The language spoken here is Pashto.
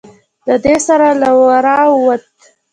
له دې سره له وره ووت.